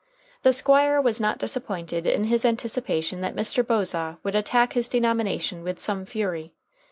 The Squire was not disappointed in his anticipation that Mr. Bosaw would attack his denomination with some fury.